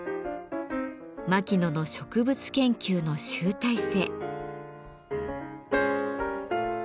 牧野の植物研究の集大成。